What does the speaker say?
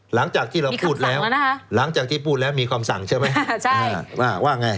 หลังจากที่เราพูดแล้วหลังจากที่พูดแล้วมีคำสั่งใช่ไหมว่าไง